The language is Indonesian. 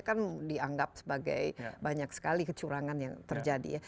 kan dianggap sebagai banyak sekali kecurangan yang terjadi ya